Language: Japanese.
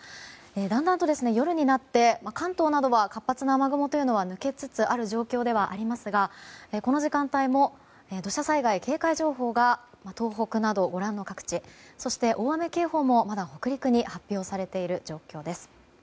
だんだんと夜になって関東などは活発な雨雲というのは抜けつつある状況ではありますがこの時間帯も土砂災害警戒情報が東北などご覧の各地そして大雨警報もまだ北陸に発表されている状況です。